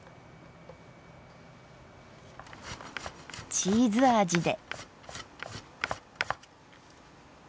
チーズ味で。